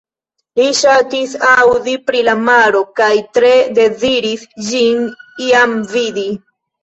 Li ŝatis aŭdi pri la maro, kaj tre deziris ĝin iam vidi.